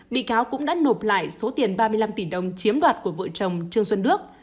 bị cáo cũng đã nộp lại số tiền ba mươi năm tỷ đồng chiếm đoạt của vợ chồng trương xuân đức